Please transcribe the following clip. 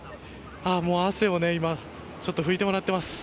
汗を今拭いてもらっています。